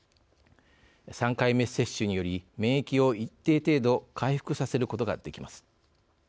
３回目接種により免疫を一定程度回復させることができます。